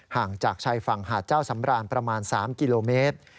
ห่างจากชายฝั่งหาดเจ้าสำรานประมาณ๓กิโลเมตร